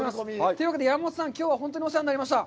というわけで、山本さん、きょうは本当にお世話になりました。